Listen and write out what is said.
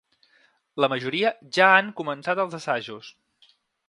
La majoria ja han començat els assajos.